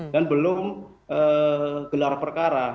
dan belum gelar perkara